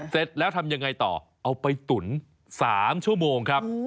เสร็จแล้วทำยังไงต่อเอาไปตุ๋น๓ชั่วโมงครับ